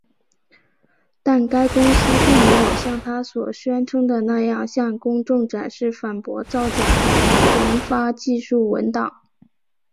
但该公司并没有像它所宣称的那样向公众展示反驳造假的研发技术文档。